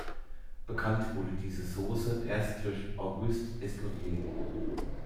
Bekannt wurde diese Sauce erst durch Auguste Escoffier.